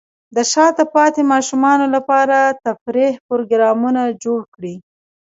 د شاته پاتې ماشومانو لپاره تفریحي پروګرامونه جوړ کړئ.